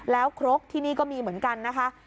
แล้วครกที่นี่ก็มีเหมือนกันนะคะ